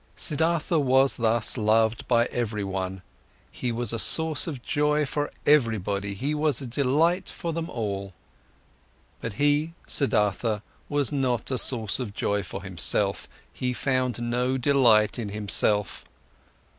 Siddhartha was thus loved by everyone. He was a source of joy for everybody, he was a delight for them all. But he, Siddhartha, was not a source of joy for himself, he found no delight in himself.